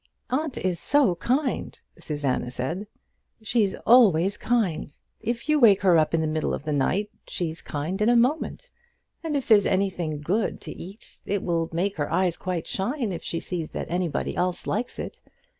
"Aunt is so kind," Susanna said. "She's always kind. If you wake her up in the middle of the night, she's kind in a moment. And if there's anything good to eat, it will make her eyes quite shine if she sees that anybody else likes it.